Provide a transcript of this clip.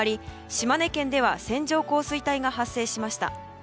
島根県では線状降水帯が発生しました。